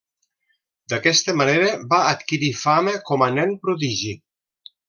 D'aquesta manera va adquirir fama com a nen prodigi.